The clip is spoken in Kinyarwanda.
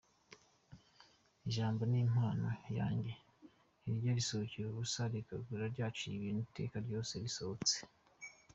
Ijambo ni impano yanjye, ntirijya risohokera ubusa, rigaruka ryaciye ibintu iteka ryose risohotse.